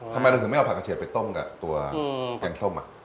ทำไมเราถึงไม่เอาผักกระเฉดไปต้มกับตัวแกงส้ม